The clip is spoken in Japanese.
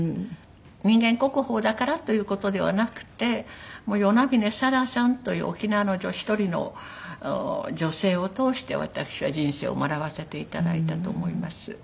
人間国宝だからという事ではなくて与那嶺貞さんという沖縄の一人の女性を通して私は人生を学ばせていただいたと思います。